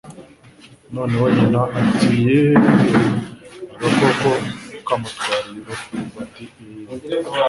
noneho nyina ati 'yeeee! agakoko kamutwariye uruhu?' bati 'iii